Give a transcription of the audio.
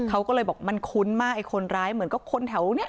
เขาก็เลยบอกมันคุ้นมากไอ้คนร้ายเหมือนก็คนแถวนี้